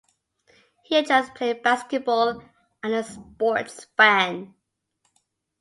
He enjoys playing basketball and is a sports fan.